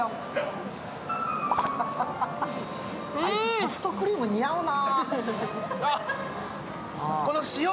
ソフトクリーム、似合うな。